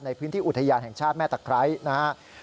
ในพื้นที่อุทยานแห่งชาติแม่ตะไคร้นะครับ